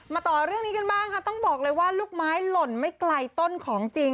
ต่อเรื่องนี้กันบ้างค่ะต้องบอกเลยว่าลูกไม้หล่นไม่ไกลต้นของจริง